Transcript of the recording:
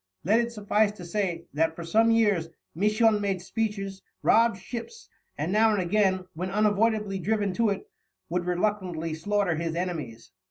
Let it suffice to say that for some years Misson made speeches, robbed ships, and now and again, when unavoidably driven to it, would reluctantly slaughter his enemies.